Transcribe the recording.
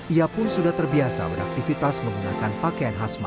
ia pun sudah terbiasa beraktivitas menggunakan pakaian khas malang